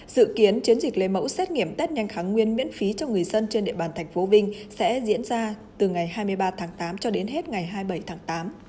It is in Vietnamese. dự kiến chiến dịch lấy mẫu xét nghiệm tết nhanh kháng nguyên miễn phí cho người dân trên địa bàn tp vinh sẽ diễn ra từ ngày hai mươi ba tháng tám cho đến hết ngày hai mươi bảy tháng tám